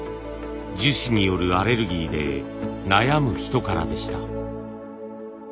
樹脂によるアレルギーで悩む人からでした。